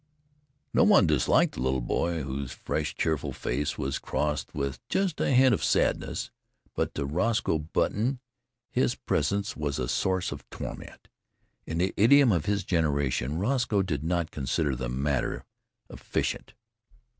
No one disliked the little boy whose fresh, cheerful face was crossed with just a hint of sadness, but to Roscoe Button his presence was a source of torment. In the idiom of his generation Roscoe did not consider the matter "efficient."